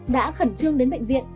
đã khẩn trương đến bệnh viện